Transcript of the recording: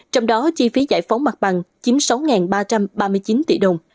trong đó chi phí giải phóng mặt bằng chiếm sáu ba trăm ba mươi chín tỷ đồng